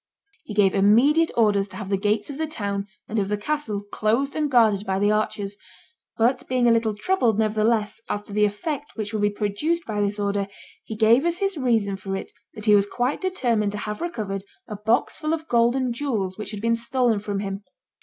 He gave immediate orders to have the gates of the town and of the castle closed and guarded by the archers; but being a little troubled, nevertheless, as to the effect which would be produced by this order, he gave as his reason for it that he was quite determined to have recovered a box full of gold and jewels which had been stolen from him.